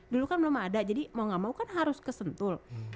dulu kan belum ada jadi mau gak mau kan harus ke sentul